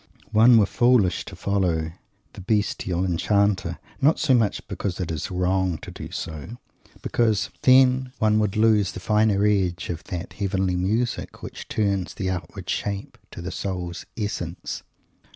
One were foolish to follow the bestial enchanter; not so much because it is "wrong" to do so, as because, then, one would lose the finer edge of that heavenly music which turns the outward shape "to the soul's essence."